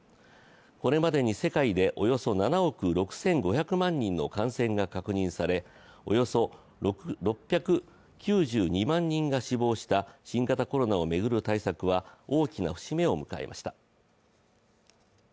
これまでに世界でおよそ７億６５００万人の感染が確認され、およそ６９２万人が死亡した新型コロナを巡る対策は大きな節目を迎えました。